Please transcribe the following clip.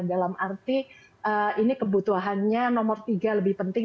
dalam arti ini kebutuhannya nomor tiga lebih penting